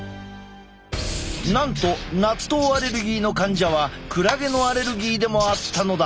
なんと納豆アレルギーの患者はクラゲのアレルギーでもあったのだ。